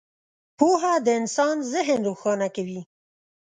• پوهه د انسان ذهن روښانه کوي.